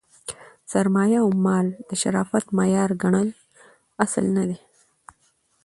سرمایه او مال د شرافت معیار ګڼل اصل نه دئ.